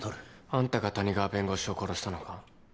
あんたが谷川弁護士を殺したのか？